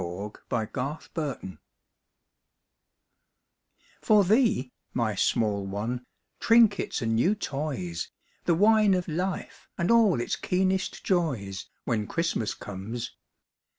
WHEN CHRISTMAS COMES For thee, my small one trinkets and new toys, The wine of life and all its keenest joys, When Christmas comes.